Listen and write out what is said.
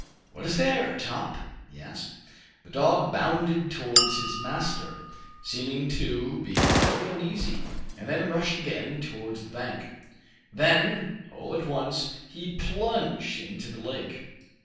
"What is there, Top?" he asked. The dog bounded towards his master, seeming to be very uneasy, and then rushed again towards the bank. Then, all at once, he plunged into the lake.